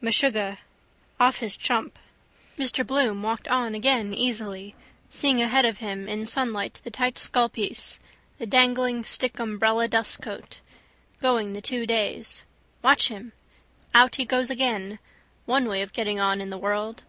Meshuggah. Off his chump. Mr Bloom walked on again easily, seeing ahead of him in sunlight the tight skullpiece, the dangling stickumbrelladustcoat. Going the two days. Watch him! Out he goes again. One way of getting on in the world.